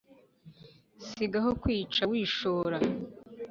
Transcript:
si gaho kwiyica wishora